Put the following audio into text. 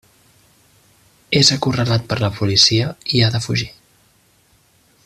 És acorralat per la policia i ha de fugir.